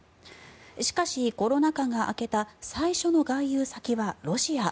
しかし、コロナ禍が明けた最初の外遊先はロシア。